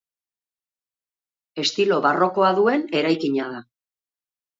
Estilo barrokoa duen eraikina da.